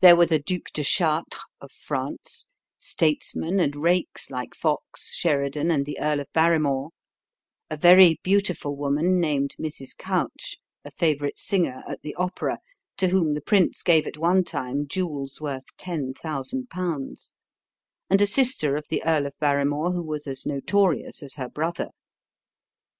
There were the Duc de Chartres, of France; statesmen and rakes, like Fox, Sheridan, and the Earl of Barrymore; a very beautiful woman, named Mrs. Couch, a favorite singer at the opera, to whom the prince gave at one time jewels worth ten thousand pounds; and a sister of the Earl of Barrymore, who was as notorious as her brother.